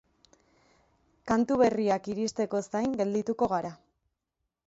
Kantu berriak iristeko zain geldituko gara.